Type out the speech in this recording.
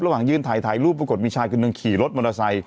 ระหว่างยืนถ่ายถ่ายรูปปรากฏมีชายคนหนึ่งขี่รถมอเตอร์ไซค